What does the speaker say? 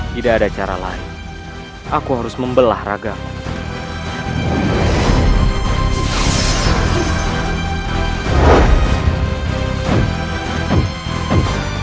tidak ada cara lain aku harus membelah ragam